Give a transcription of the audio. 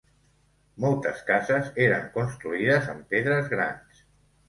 Moltes cases eren construïdes amb pedres grans.